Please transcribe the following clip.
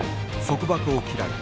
束縛を嫌い